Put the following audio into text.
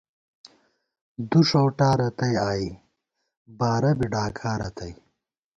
دُݭؤٹارتئی آئی، بارہ بی ڈاکا رتئی